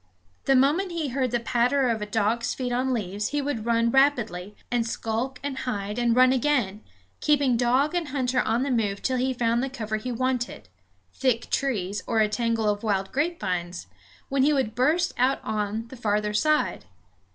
The moment he heard the patter of a dog's feet on leaves he would run rapidly, and skulk and hide and run again, keeping dog and hunter on the move till he found the cover he wanted, thick trees, or a tangle of wild grapevines, when he would burst out on, the farther side.